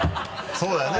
そうだよね